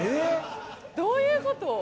どういうこと？